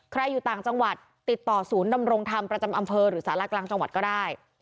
อยู่ต่างจังหวัดติดต่อศูนย์ดำรงธรรมประจำอำเภอหรือสาระกลางจังหวัดก็ได้